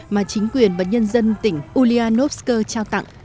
mà chính quyền và nhân dân tỉnh ulyanovsk trao tặng